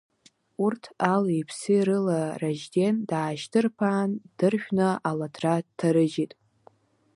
Урҭ али-ԥси рыла Ражьден даашьҭырԥаан, дыршәны алаҭра дҭарыжьит.